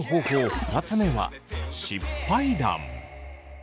２つ目は失敗談。